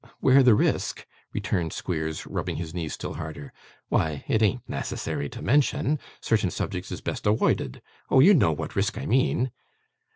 'Where the risk?' returned Squeers, rubbing his knees still harder. 'Why, it an't necessary to mention. Certain subjects is best awoided. Oh, you know what risk I mean.